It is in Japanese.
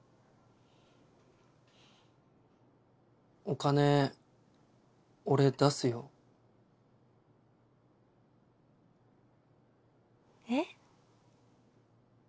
お金俺出すよ。えっ？